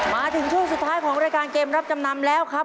มาถึงช่วงสุดท้ายของรายการเกมรับจำนำแล้วครับ